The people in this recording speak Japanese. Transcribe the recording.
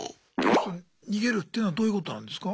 その逃げるっていうのはどういうことなんですか？